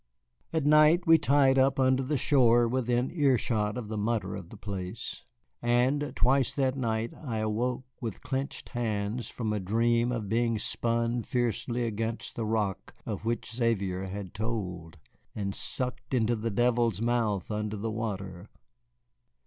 At night we tied up under the shore within earshot of the mutter of the place, and twice that night I awoke with clinched hands from a dream of being spun fiercely against the rock of which Xavier had told, and sucked into the devil's mouth under the water.